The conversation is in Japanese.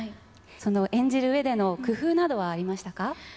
その演じるうえでの工夫などはありましたか？